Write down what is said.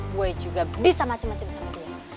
gue juga bisa macem macem sama dia